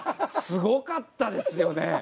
すごかったですよね。